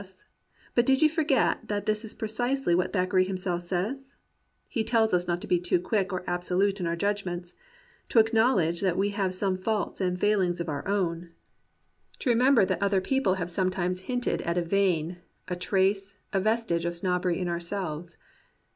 S., but did you forget that this is precisely what Thackeray himself says ? He tells us not to be too quick or absolute in our judgments; to acknowledge that we have some faults and failings of our own; to remember that 117 COMPANIONABLE BOOKS other people have sometimes hinted at a vein, a trace, a vestige of snobbery in ourselves.